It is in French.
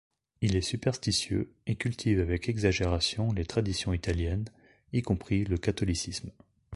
Il est superstitieux et cultive avec exagération les traditions italiennes, y compris le catholicisme.